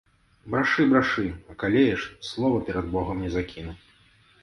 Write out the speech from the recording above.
Брашы, брашы, акалееш, слова перад богам не закіну.